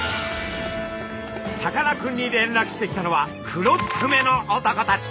さかなクンに連絡してきたのは黒ずくめの男たち。